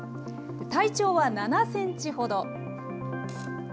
体長は７センチほど。